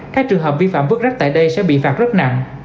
các trường hợp vi phạm vứt rác tại đây sẽ bị phạt rất nặng